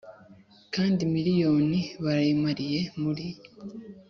kandi miriyoni barayimariye muri